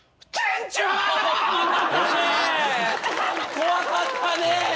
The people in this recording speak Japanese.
怖かったねぇ。